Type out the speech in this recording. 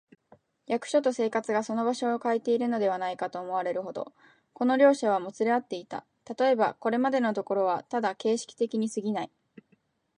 役所と生活とがその場所をかえているのではないか、と思われるほど、この両者はもつれ合っていた。たとえば、これまでのところはただ形式的にすぎない、